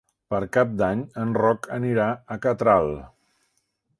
Per Cap d'Any en Roc anirà a Catral.